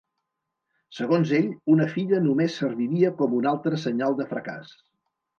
Segons ell, una filla només serviria com un altre senyal de fracàs.